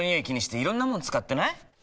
気にしていろんなもの使ってない？